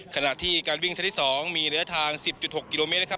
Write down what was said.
ขณะที่การวิ่งชั้นที่๒มีระยะทาง๑๐๖กิโลเมตรนะครับ